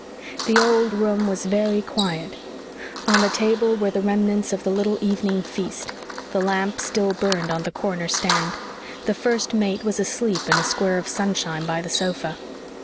The old room was very quiet. On the table were the remnants of the little evening feast. The lamp still burned on the corner stand. The First Mate was asleep in a square of sunshine by the sofa.